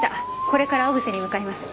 これから小布施に向かいます。